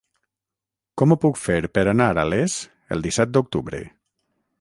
Com ho puc fer per anar a Les el disset d'octubre?